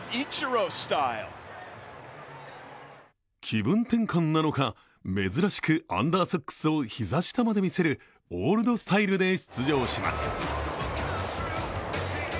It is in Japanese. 気分転換なのか、珍しくアンダーソックスを膝下まで見せるオールドスタイルで出場します。